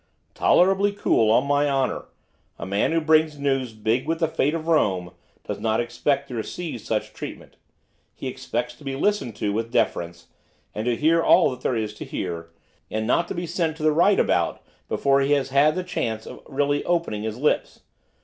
Tolerably cool, on my honour, a man who brings news big with the fate of Rome does not expect to receive such treatment. He expects to be listened to with deference, and to hear all that there is to hear, and not to be sent to the right about before he has had a chance of really opening his lips.